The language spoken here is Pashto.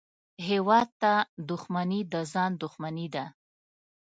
هېواد ته دښمني د ځان دښمني ده